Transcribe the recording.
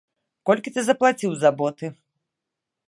Колькі ты заплаціў за боты?